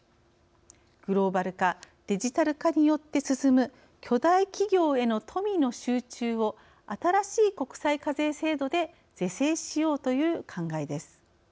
グローバル化デジタル化によってすすむ巨大企業への富の集中を新しい国際課税制度で是正しようという考えです。